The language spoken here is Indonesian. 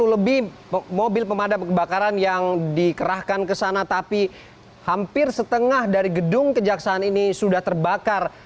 sepuluh lebih mobil pemadam kebakaran yang dikerahkan ke sana tapi hampir setengah dari gedung kejaksaan ini sudah terbakar